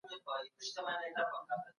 څلور منفي دوه؛ دوه پاته کېږي.